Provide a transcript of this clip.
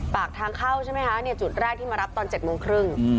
ปากทางเข้าใช่ไหมคะจุดแรกที่มารับตอน๗โมงครึ่ง